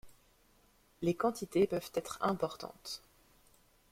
Les quantités peuvent être importantes.